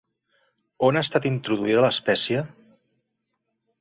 On ha estat introduïda l'espècie?